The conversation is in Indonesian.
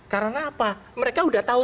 karena apa mereka udah tahu